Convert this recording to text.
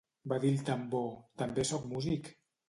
Va dir el tambor: també soc músic!